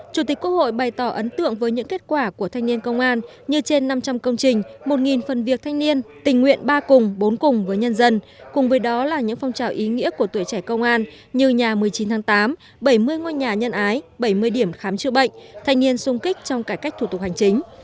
chủ tịch quốc hội bày tỏ ấn tượng với những kết quả của thanh niên công an như trên năm trăm linh công trình một phần việc thanh niên tình nguyện ba cùng bốn cùng với nhân dân cùng với đó là những phong trào ý nghĩa của tuổi trẻ công an như nhà một mươi chín tháng tám bảy mươi ngôi nhà nhân ái bảy mươi điểm khám chữa bệnh thanh niên sung kích trong cải cách thủ tục hành chính